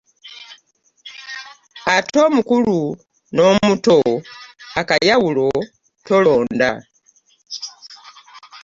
Ate omukulu n’omuto akayawulo tolonda.